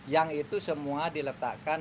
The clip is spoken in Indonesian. yang itu semua diletakkan